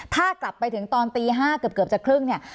ถ้ากลับไปถึงตอนตี๕เกือบจะครึ่งเนี่ย